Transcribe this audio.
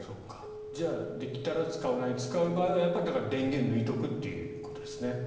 じゃあ、できたら使わない使う場合は電源を抜いておくということですね。